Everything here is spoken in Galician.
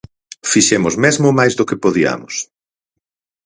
Fixemos mesmo máis do que podiamos!